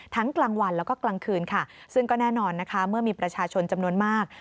กลางวันแล้วก็กลางคืนค่ะซึ่งก็แน่นอนนะคะเมื่อมีประชาชนจำนวนมาก